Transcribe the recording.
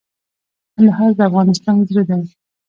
کندهار د افغانستان زړه دي